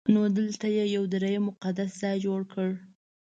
نو دلته یې یو درېیم مقدس ځای جوړ کړ.